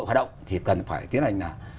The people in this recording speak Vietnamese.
hoạt động thì cần phải tiến hành